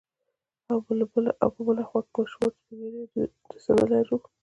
او په بله خوا کې ماشومان، سپين ږيري، د څه نه لرو.